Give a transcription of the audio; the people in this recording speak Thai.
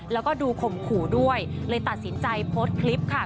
แล้วก็ดูข่มขู่ด้วยเลยตัดสินใจโพสต์คลิปค่ะ